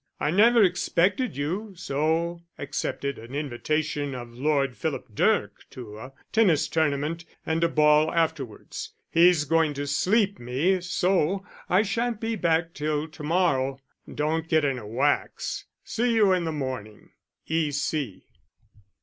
I never expected you, so accepted an invitation of Lord Philip Dirk to a tennis tournament, and a ball afterwards. He's going to sleep me, so I shan't be back till to morrow. Don't get in a wax. See you in the morning._ _E.